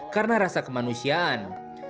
karena rasa kemanusiaan